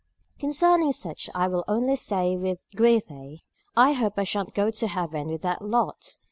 Concerning such I will only say with Goethe, I hope I shan't go to heaven with that lot!